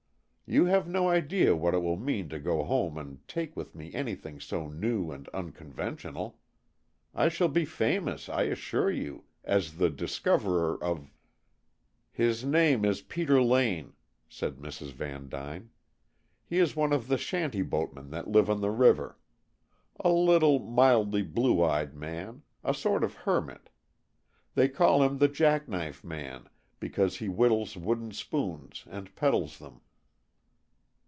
You have no idea what it will mean to go home and take with me anything so new and unconventional. I shall be famous, I assure you, as the discoverer of " "His name is Peter Lane," said Mrs. Vandyne. "He is one of the shanty boatmen that live on the river. A little, mildly blue eyed man; a sort of hermit. They call him the Jack knife Man, because he whittles wooden spoons and peddles them."